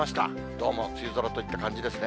どうも梅雨空といった感じですね。